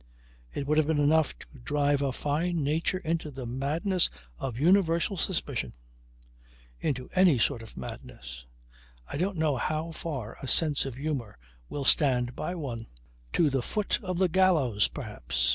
It would have been enough to drive a fine nature into the madness of universal suspicion into any sort of madness. I don't know how far a sense of humour will stand by one. To the foot of the gallows, perhaps.